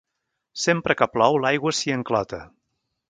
Sempre que plou l'aigua s'hi enclota.